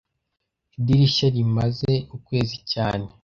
Idirishya rimaze ukwezi cyane